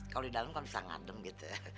kalau di dalam kan bisa ngadum gitu